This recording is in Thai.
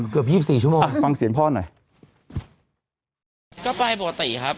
เกือบยี่สิบสี่ชั่วโมงอ่ะฟังเสียงพ่อหน่อยก็ไปปกติครับ